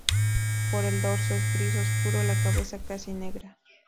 Por el dorso es gris oscuro, la cabeza casi negra.